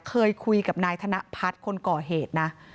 เคยคุยกับนายธนพัฒน์คนก่อเหตุนะ